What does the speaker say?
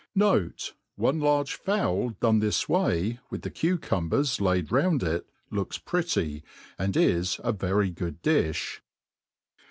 Note, One large fowl done this way, with the cucumbers laid round it, looks pretty, and is a very good difh.